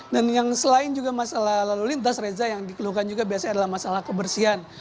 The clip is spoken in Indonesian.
dan yang selain juga masalah lalu lintas reza yang dikeluhkan juga biasanya adalah masalah kebersihan